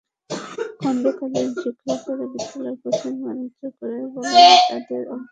খণ্ডকালীন শিক্ষকেরা বিদ্যালয়ে কোচিং বাণিজ্য করে বলে তাঁদের অব্যাহতি দেওয়া হয়েছে।